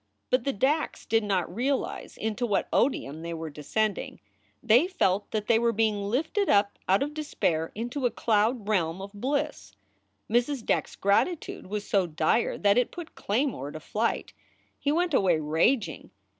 But the Dacks did not realize into what odium they were descending. They felt that they were being lifted up out of despair into a cloud realm of bliss. Mrs. Dack s gratitude was so dire that it put Claymore to flight. He went away raging.